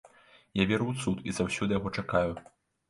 Я веру ў цуд і заўсёды яго чакаю.